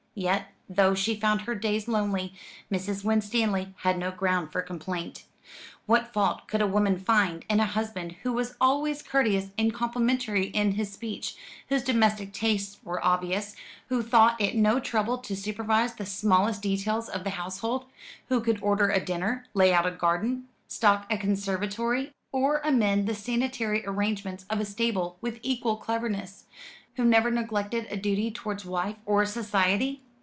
Yet, though she found her days lonely, Mrs. Winstanley had no ground for complaint. What fault could a woman find in a husband who was always courteous and complimentary in his speech, whose domestic tastes were obvious, who thought it no trouble to supervise the smallest details of the household, who could order a dinner, lay out a garden, stock a conservatory, or amend the sanitary arrangements of a stable with equal cleverness; who never neglected a duty towards wife or society?